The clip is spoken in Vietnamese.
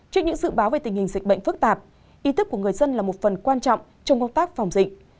trước những dự báo về tình hình dịch bệnh phức tạp ý thức của người dân là một phần quan trọng trong công tác phòng dịch